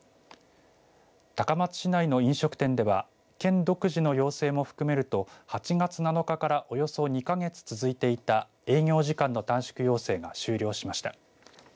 高松市内の飲食店では県独自の要請も含めると８月７日からおよそ２か月続いていた営業時間の短縮要請が終了しました。